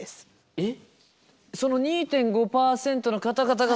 えっ？